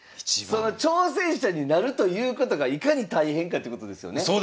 その挑戦者になるということがいかに大変かってことですよね。